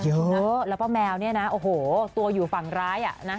เยอะนะแล้วก็แมวเนี่ยนะโอ้โหตัวอยู่ฝั่งร้ายอ่ะนะ